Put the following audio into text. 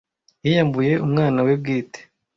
yiyambuye umwana we bwite